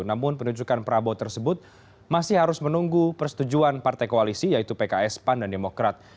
namun penunjukan prabowo tersebut masih harus menunggu persetujuan partai koalisi yaitu pks pan dan demokrat